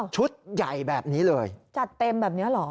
ชุดใหญ่แบบนี้เลยจัดเต็มแบบนี้เหรอ